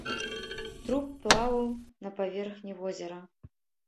Труп плаваў на паверхні возера.